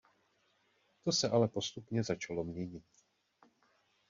To se ale postupně začalo měnit.